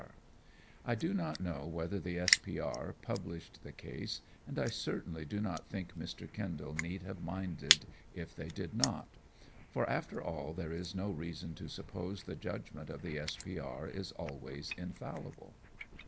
R. I do not know whether the S.P.R. published the case, and I certainly do not think Mr. Kendall need have minded if they did not for after all there is no reason to suppose the judgment of the S.P.R. is always infallible.